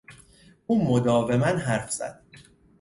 او مداوما حرف زد.